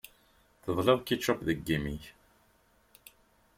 Teḍliḍ ketchup deg imi-k.